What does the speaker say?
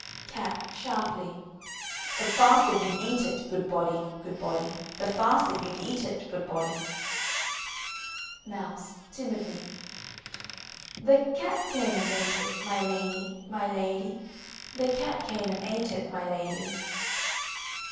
CAT. (sharply). The faster you'd eat it, good body, good body, The faster you'd eat it, good body. MOUSE (timidly). The cat came and ate it, my lady, my lady, The cat came and ate it, my lady.